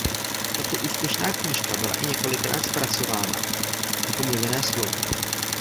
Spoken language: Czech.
Tato úspěšná knížka byla i několikrát zpracována jako mluvené slovo.